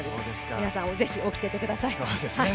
皆さん、ぜひ起きててください。